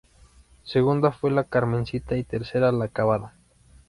Segunda fue La Carmencita y tercera La Cavada.